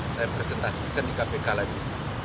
saya presentasikan di kpk lagi